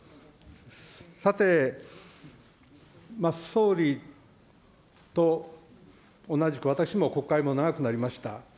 さて、総理と同じく、私も国会も長くなりました。